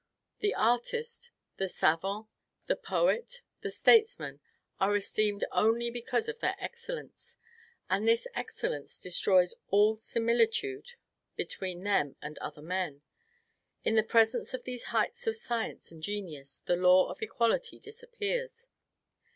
The artist, the savant, the poet, the statesman, are esteemed only because of their excellence; and this excellence destroys all similitude between them and other men: in the presence of these heights of science and genius the law of equality disappears.